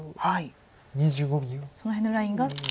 その辺のラインが。